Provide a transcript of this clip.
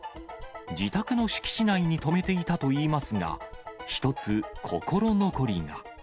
自宅の敷地内に止めていたといいますが、一つ、心残りが。